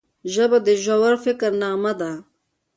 ژبه د ژور فکر نغمه ده